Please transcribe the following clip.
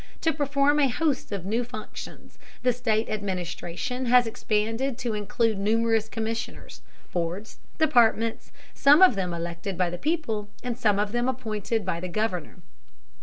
To perform a host of new functions the state administration has expanded to include numerous commissioners, boards, and departments, some of them elected by the people, and some of them appointed by the Governor.